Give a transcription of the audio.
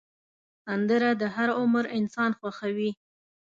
سندره د هر عمر انسان خوښېږي